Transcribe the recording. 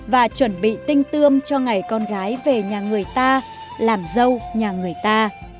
và chuẩn bị tinh tươm cho ngày con gái về nhà người ta làm dâu nhà người ta